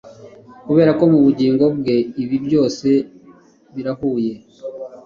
kuberako mubugingo bwe ibi byose birahuye